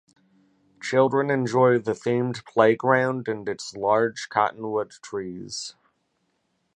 Children enjoy the themed playground and its large cottonwood trees.